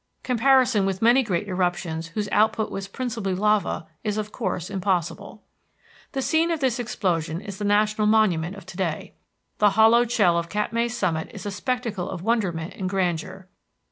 Comparison with many great eruptions whose output was principally lava is of course impossible. The scene of this explosion is the national monument of to day. The hollowed shell of Katmai's summit is a spectacle of wonderment and grandeur.